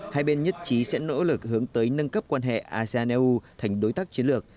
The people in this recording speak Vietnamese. hai bên nhất trí sẽ nỗ lực hướng tới nâng cấp quan hệ asean eu thành đối tác chiến lược